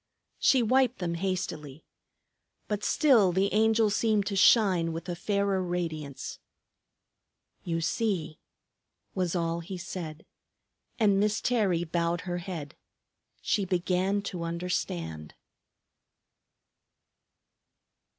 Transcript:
She wiped them hastily. But still the Angel seemed to shine with a fairer radiance. "You see!" was all he said. And Miss Terry bowed her head. She began to understand.